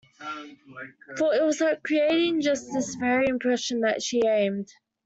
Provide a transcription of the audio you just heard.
For it was at creating just this very impression that she aimed.